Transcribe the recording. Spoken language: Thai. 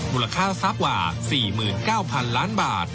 มูลค่าทรัพย์กว่า๔๙๐๐๐ล้านบาท